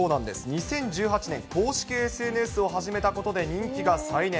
２０１８年、公式ＳＮＳを始めたことで人気が再燃。